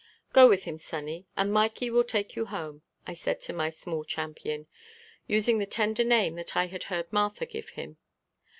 "Go with him, sonny, and Mikey will take you home," I said to my small champion, using the tender name that I had heard Martha give him.